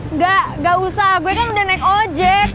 enggak enggak usah gue kan udah naik ojek